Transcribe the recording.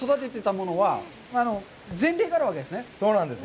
そうなんですよ。